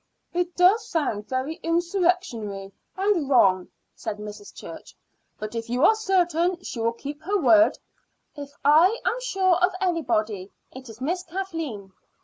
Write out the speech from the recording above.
"It does sound very insurrectionary and wrong," said Mrs. Church; "but if you are certain sure she will keep her word " "If I am sure of anybody, it is Miss Kathleen."